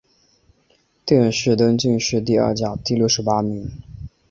殿试登进士第二甲第六十八名。